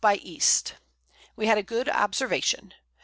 by E. We had a good Observation.